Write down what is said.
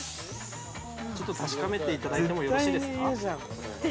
ちょっと確かめてみていただいていいですか。